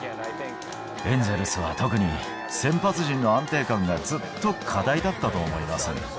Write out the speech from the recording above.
エンゼルスは特に、先発陣の安定感がずっと課題だったと思います。